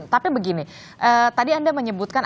tapi begini tadi anda menyebutkan